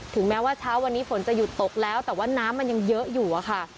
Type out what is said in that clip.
แม้ว่าเช้าวันนี้ฝนจะหยุดตกแล้วแต่ว่าน้ำมันยังเยอะอยู่อะค่ะ